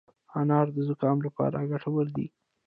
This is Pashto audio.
انار د زکام لپاره ګټور دی.